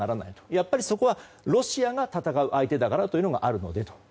やっぱりそこはロシアが戦う相手だからというのがあるのでと。